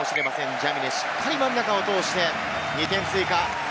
ジャミネ、しっかり真ん中を通して２点追加。